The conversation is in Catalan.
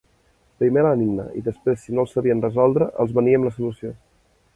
Primer l'enigma, i després, si no el sabien resoldre, els veníem la solució.